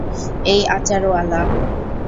এই, আচারওয়ালা।